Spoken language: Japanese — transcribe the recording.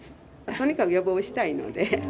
とにかく予防したいので。